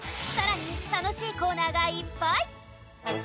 さらに、楽しいコーナーがいっぱい！